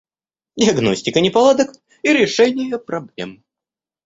Диагностика неполадок и решение проблем